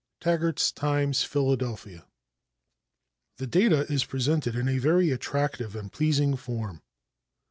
Taggarts' Times, Phila. The Data is "Presented in a Very Attractive and Pleasing Form."